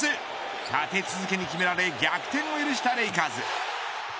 立て続けに決められ逆転を許したレイカーズ。